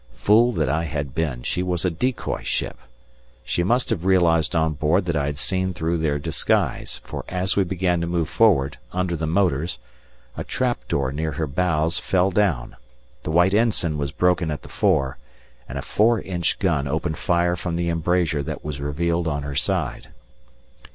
Fool that I had been, she was a decoy ship. They must have realized on board that I had seen through their disguise, for as we began to move forward, under the motors, a trap door near her bows fell down, the white ensign was broken at the fore, and a 4 inch gun opened fire from the embrasure that was revealed on her side.